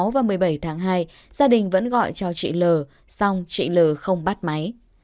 một mươi sáu và một mươi bảy tháng hai gia đình vẫn gọi cho chị l xong chị l không bắt máy